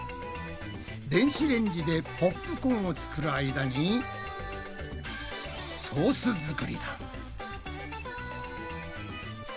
電子レンジでポップコーンを作る間にソース作りだ。